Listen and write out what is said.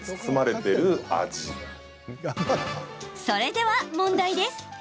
それでは問題です。